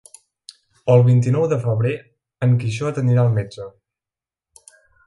El vint-i-nou de febrer en Quixot anirà al metge.